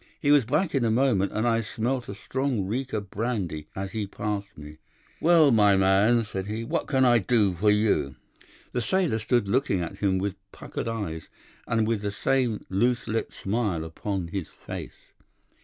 He was back in a moment, and I smelt a strong reek of brandy as he passed me. "'Well, my man,' said he, 'what can I do for you?' "The sailor stood looking at him with puckered eyes, and with the same loose lipped smile upon his face.